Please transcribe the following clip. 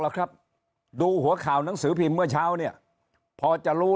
แล้วครับดูหัวข่าวหนังสือพิมพ์เมื่อเช้าเนี่ยพอจะรู้